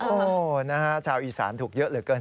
โอ้โหนะฮะชาวอีสานถูกเยอะเหลือเกิน